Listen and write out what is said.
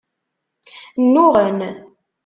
Nnuɣen.